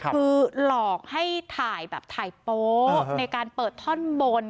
คือหลอกให้ถ่ายโป๊ะในการเปิดท่อนบน